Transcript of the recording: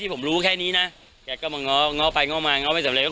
ผมรู้แค่นี้นะแกก็มาง้อง้อไปง้อมาง้อไม่สำเร็